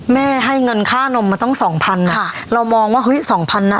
แม่ให้เงินค่านมมาต้องสองพันค่ะเรามองว่าอุ้ยสองพันอะ